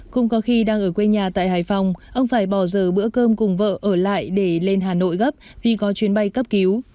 cũng có khi đang ở quê nhà tại hải phòng ông phải bỏ giờ bữa cơm cùng vợ ở lại để lên hà nội gấp vì có chuyến bay cấp cứu